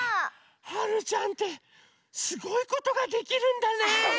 はるちゃんってすごいことができるんだね。